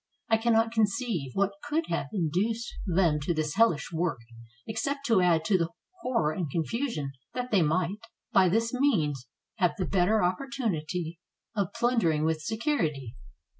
I can not conceive what could have induced them to this hellish work, except to add to the horror and confusion that they might, by this means, have the better oppor tunity of plundering with security.